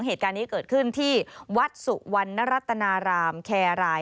เหตุการณ์นี้เกิดขึ้นที่วัดสุวรรณรัตนารามแครราย